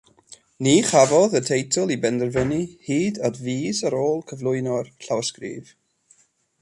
Ni chafodd y teitl ei benderfynu hyd at fis ar ôl cyflwyno'r llawysgrif.